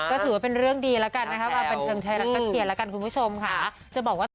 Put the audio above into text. ก็ถือว่าเป็นเรื่องดีแล้วกันนะครับเอาเป็นเครื่องใช้ลักษณ์เขียนแล้วกันคุณผู้ชมค่ะ